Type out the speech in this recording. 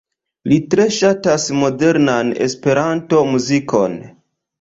Li tre ŝatas modernan Esperanto-muzikon.